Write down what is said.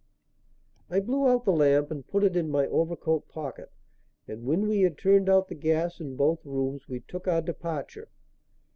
I blew out the lamp and put it in my overcoat pocket, and, when we had turned out the gas in both rooms, we took our departure.